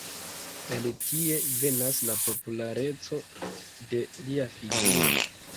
El tie venas la populareco de lia figuro.